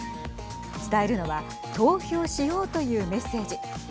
伝えるのは投票しようというメッセージ。